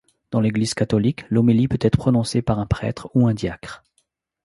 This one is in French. Dans l'Église catholique, l'homélie peut être prononcée par un prêtre ou un diacre.